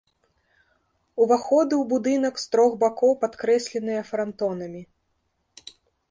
Уваходы ў будынак з трох бакоў падкрэсленыя франтонамі.